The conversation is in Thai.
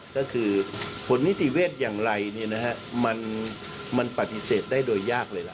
ก็คือผลนิติเวชอย่างไรมันปฏิเสธได้โดยยากเลยล่ะ